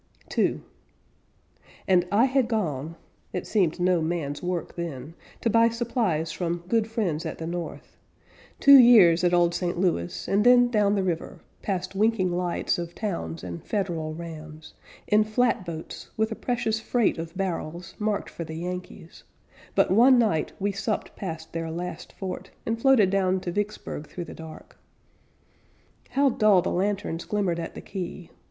II And I had gone It seemed no man's work then To buy supplies from "good friends" at the North Two years at old St. Louis and then down the river, Past winking lights of towns and federal rams, In flat boats with a precious freight of barrels, Marked for the Yankees; but one night We supped past their last fort And floated down to Vicksburg through the dark. How dull the lanterns glimmered at the quay!